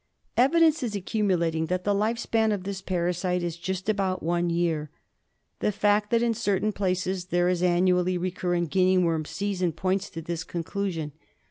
Evidence is accumulating that the life span of this parasite is just about one year. The fact that in certain places there is an annually recurring Guinea worm season points to this conclusion.